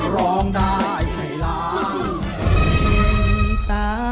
ร้องได้ให้ร้อง